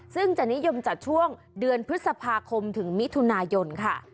ซึ่งจะนิยมจัดช่วงเดือนพฤษภาคมถึงมิถุนายนค่ะ